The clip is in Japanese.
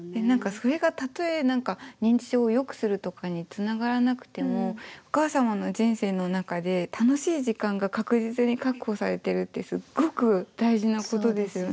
それがたとえ認知症をよくするとかにつながらなくてもお母様の人生の中で楽しい時間が確実に確保されてるってすっごく大事なことですよね。